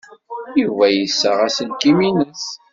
Yuba yessaɣ aselkim-nnes.